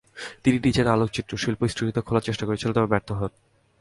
তিনি নিজের আলোকচিত্রশিল্প স্টুডিওটি খোলার চেষ্টা করেছিলেন, তবে ব্যর্থ হন।